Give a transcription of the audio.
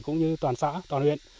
cũng như toàn xã toàn huyện